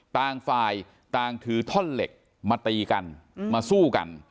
ต่างฝ่ายต่างถือท่อนเหล็กมาตีกันมาสู้กัน